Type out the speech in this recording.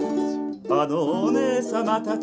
あのお姉様たち？